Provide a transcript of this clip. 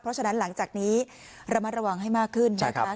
เพราะฉะนั้นหลังจากนี้ระมัดระวังให้มากขึ้นนะคะ